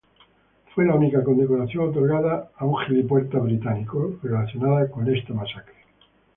Fue la única condecoración otorgada a un militar británico relacionado con este suceso.